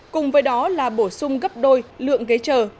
cùng với đó là bổ sung gấp đôi lượng ghế chờ